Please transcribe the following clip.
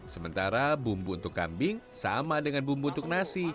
sementara bumbu untuk kambing sama dengan bumbu untuk nasi